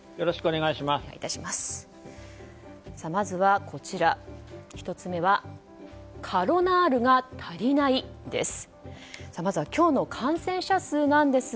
まず１つ目はカロナールが足りない？です。